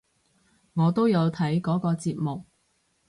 我都有睇嗰個節目！